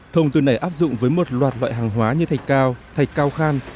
thông tư này áp dụng với một loạt loại hàng hóa như thạch cao thạch cao khan